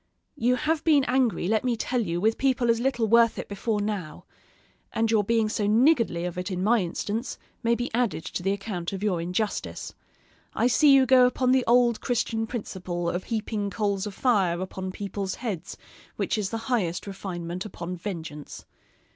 You have been angry, let me tell you, with people as little worth it before now; and your being so niggardly of it in my instance, may be added to the account of your injustice. I see you go upon the old Christian principle of heaping coals of fire upon people's heads, which is the highest refinement upon vengeance.